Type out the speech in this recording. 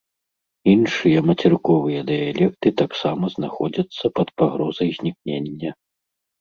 Іншыя мацерыковыя дыялекты таксама знаходзяцца пад пагрозай знікнення.